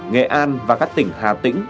nghệ an và các tỉnh hà tĩnh